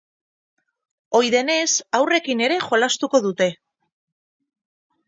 Ohi denez, haurrekin ere jolastuko dute.